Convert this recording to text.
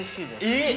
◆えっ！